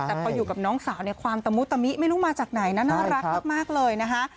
แต่พออยู่กับน้องสาวเนี่ยความตะมุตมิไม่รู้มาจากไหนนะน่ารักมากเลยนะคะ